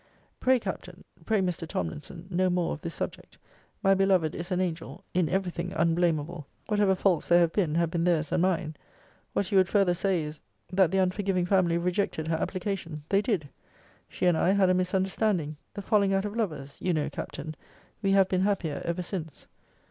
Pray, Captain pray, Mr. Tomlinson no more of this subject. My beloved is an angel. In every thing unblamable. Whatever faults there have been, have been theirs and mine. What you would further say, is, that the unforgiving family rejected her application. They did. She and I had a misunderstanding. The falling out of lovers you know, Captain. We have been happier ever since.